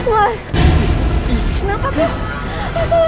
mas jangan takut takut